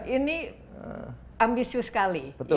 ini ambisius sekali